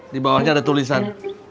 di bawahnya ada tulisan